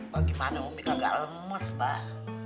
bagaimana umi kagak lemes mbak